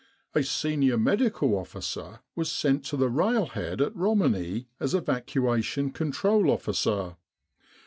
A senior Medical Officer was sent to the railhead at Romani as Evacuation Control Officer.